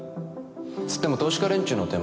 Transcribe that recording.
つっても投資家連中の手前